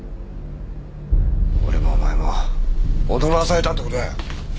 俺もお前も踊らされたって事だよ。